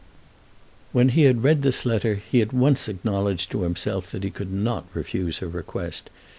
When he had read this letter he at once acknowledged to himself that he could not refuse her request.